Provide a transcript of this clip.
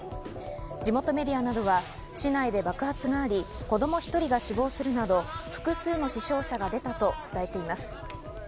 地元メディアなどは市内で爆発があり、子供１人が死亡するなど複数の死傷者が出たと伝えています。